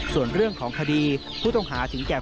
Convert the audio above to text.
ส่วนเรื่องของคดีผู้ต้องหาถึงแก่